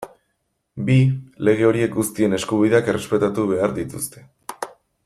Bi, lege horiek guztien eskubideak errespetatu behar dituzte.